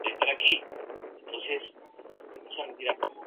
Actualmente, alberga la colección más completa sobre particular.